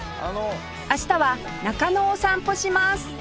明日は中野を散歩します